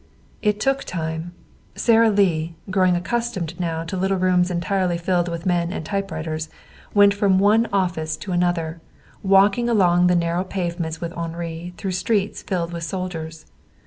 It took time. Sara Lee, growing accustomed now to little rooms entirely filled with men and typewriters, went from one office to another, walking along the narrow pavements with Henri, through streets filled with soldiers.